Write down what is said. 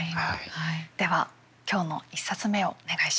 では今日の１冊目をお願いします。